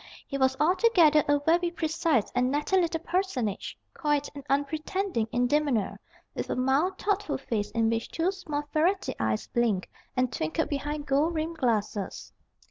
He was altogether a very precise and natty little personage, quiet and unpretending in demeanour, with a mild, thoughtful face in which two small ferrety eyes blinked and twinkled behind gold rimmed glasses.